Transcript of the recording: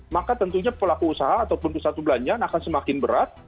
maka tentunya pelaku usaha ataupun pusat perbelanjaan akan semakin berat